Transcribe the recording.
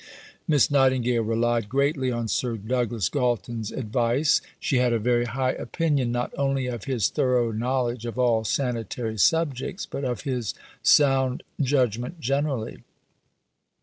Miss Nightingale relied greatly on Sir Douglas Galton's advice; she had a very high opinion, not only of his thorough knowledge of all sanitary subjects, but of his sound judgment generally.